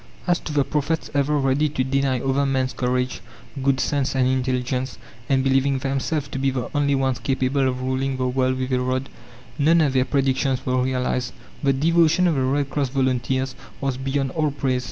As to the prophets ever ready to deny other men's courage, good sense, and intelligence, and believing themselves to be the only ones capable of ruling the world with a rod, none of their predictions were realized. The devotion of the Red Cross volunteers was beyond all praise.